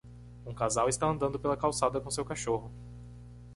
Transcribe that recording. um casal está andando pela calçada com seu cachorro